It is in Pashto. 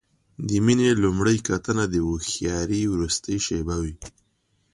د مینې لومړۍ کتنه د هوښیارۍ وروستۍ شېبه وي.